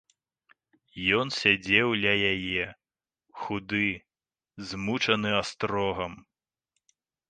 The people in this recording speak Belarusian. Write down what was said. Ён сядзеў ля яе, худы, змучаны астрогам.